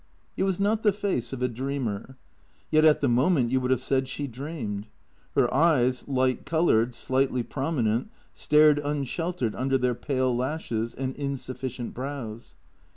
It was not the face of a dreamer. Yet at the moment you would have said she dreamed. Her eyes, light coloured, slightly prominent, stared unsheltered under their pale lashes and insuf ficient brows.